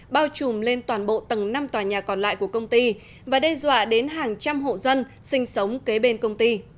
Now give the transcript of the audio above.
bao trùm lên toàn bộ tầng năm tòa nhà còn lại của công ty và đe dọa đến hàng trăm hộ dân sinh sống kế bên công ty